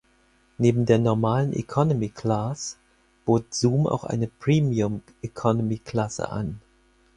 Neben der normalen "Economy Class", bot Zoom auch eine "Premium Economy"-Klasse an.